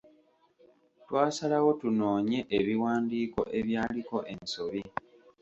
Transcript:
Twasalawo tunoonye ebiwandiiko ebyaliko ensobi.